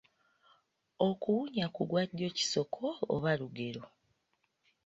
Okuwunya ku gwa ddyo kisoko oba lugero?